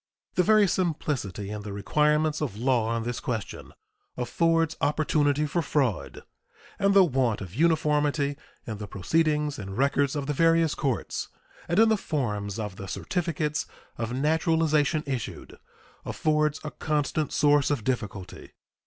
The very simplicity in the requirements of law on this question affords opportunity for fraud, and the want of uniformity in the proceedings and records of the various courts and in the forms of the certificates of naturalization issued affords a constant source of difficulty.